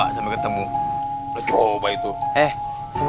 kan ofisialnya harus mencari ri dara hingga ketemu